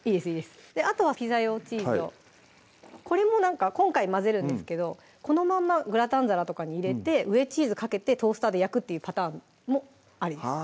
あとはピザ用チーズをこれもなんか今回混ぜるんですけどこのまんまグラタン皿とかに入れて上チーズかけてトースターで焼くってパターンもあります